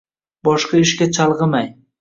boshqa ishga chalg’imay